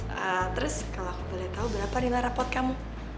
eee terus kalo aku boleh tau berapa nilai raport kamu